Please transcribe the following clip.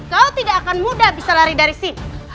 kau tidak akan mudah bisa lari dari sini